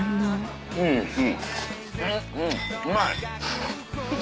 うんうまい。